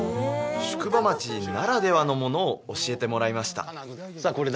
宿場町ならではのものを教えてもらいましたさあ